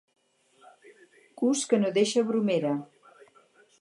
Gust que no deixa bromera.